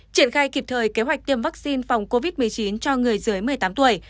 triển khai kịp thời kế hoạch tiêm vaccine phòng covid một mươi chín cho người dưới một mươi tám tuổi